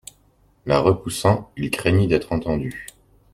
La repoussant, il craignit d'être entendu.